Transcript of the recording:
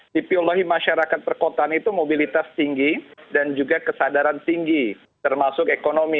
tipiologi masyarakat perkotaan itu mobilitas tinggi dan juga kesadaran tinggi termasuk ekonomi